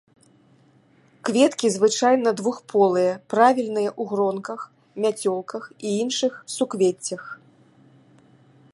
Кветкі звычайна двухполыя, правільныя ў гронках, мяцёлках і іншых суквеццях.